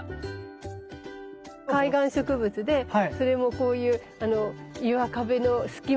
海岸植物でそれもこういう岩壁の隙間なんかに。